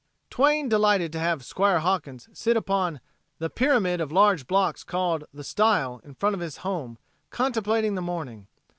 Twain delighted to have "Squire Hawkins" sit upon "the pyramid of large blocks called the stile, in front of his home, contemplating the morning."